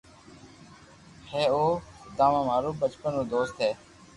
ھي او سوداما مارو بچپن رو دوست ھي